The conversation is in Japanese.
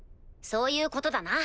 そういうことだな？